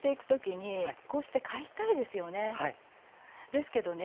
ですけどね